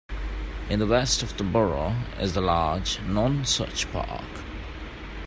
In the west of the borough is the large Nonsuch Park.